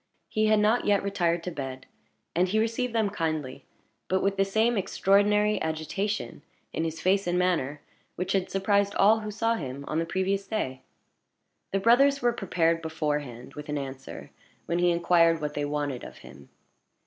He had not yet retired to bed, and he received them kindly, but with the same extraordinary agitation in his face and manner which had surprised all who saw him on the previous day. The brothers were prepared beforehand with an answer when he inquired what they wanted of him.